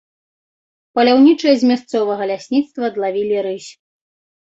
Паляўнічыя з мясцовага лясніцтва адлавілі рысь.